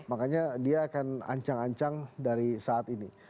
makanya dia akan ancang ancang dari saat ini